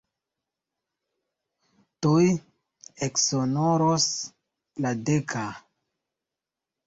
Tuj eksonoros la deka.